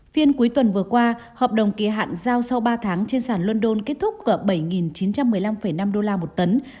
phiên cuối tuần vừa qua hợp đồng kỳ hạn giao sau ba tháng trên sản london kết thúc gỡ bảy chín trăm một mươi năm năm đô la một tấn